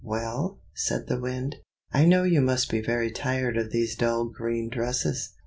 "Well," said the Wind, "I know you must be very tired of these dull green dresses.